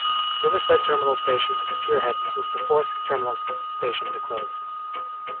Riverside terminal station at the Pier Head was the fourth terminal station to close.